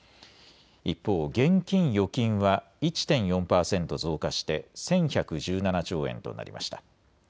一方、現金・預金は１．４％増加して１１１７兆円となりました。